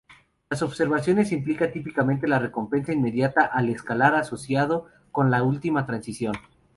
La observación implica típicamente la recompensa inmediata al escalar asociado con la última transición.